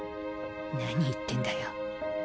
何言ってんだよ